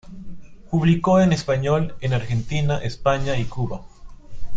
Publicó en español en Argentina, España y Cuba.